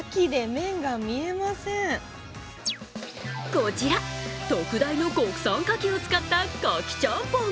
こちら、特大の国産かきを使ったかきちゃんぽん。